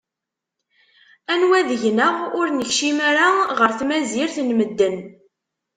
Anwa deg-neɣ ur nekcim ara ɣer tmazirt n medden?